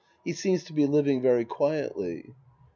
He seems to be living very quietly.